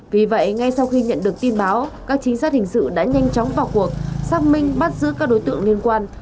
vì vậy ngay sau khi nhận được tin báo các chính sát hình sự đã nhanh chóng vào cuộc xác minh bắt giữ các đối tượng liên quan